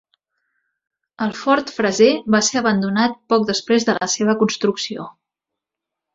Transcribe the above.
El Fort Fraser va ser abandonat poc després de la seva construcció.